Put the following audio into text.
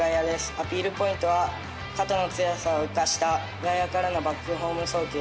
アピールポイントは肩の強さを生かした外野からのバックホーム送球です。